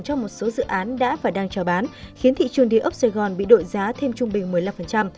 cho một số dự án đã và đang trào bán khiến thị trường đi ấp sài gòn bị đội giá thêm trung bình một mươi năm